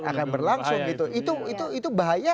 akan berlangsung gitu itu bahaya